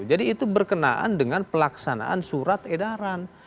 jadi itu berkenaan dengan pelaksanaan surat edaran